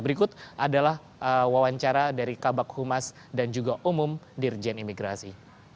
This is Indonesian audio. berikut adalah wawancara dari kabak humas dan juga umum dirjen imigrasi